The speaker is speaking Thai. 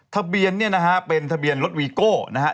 ทะเบียนเป็นทะเบียนรถวีโก้